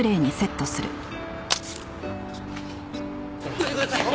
どいてください！